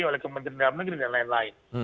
oleh kementerian dalam negeri dan lain lain